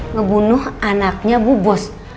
ngebunuh anaknya bu bos